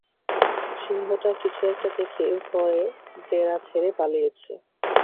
সিংহটা কিছু একটা দেখে ভয়ে ডেরা ছেড়ে পালিয়েছে।